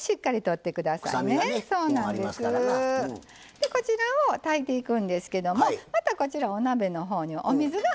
でこちらを炊いていくんですけどもまたこちらお鍋の方にお水が入ってますね。